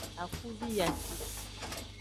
Akuvi yi afi.